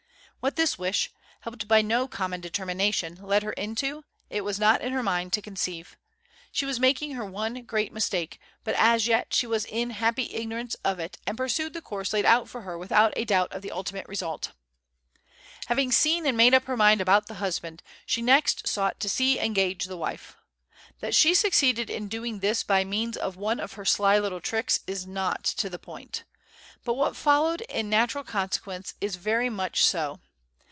What this wish, helped by no common determination, led her into, it was not in her mind to conceive. She was making her one great mistake, but as yet she was in happy ignorance of it, and pursued the course laid out for her without a doubt of the ultimate result. Having seen and made up her mind about the husband, she next sought to see and gauge the wife. That she succeeded in doing this by means of one of her sly little tricks is not to the point; but what followed in natural consequence is very much so.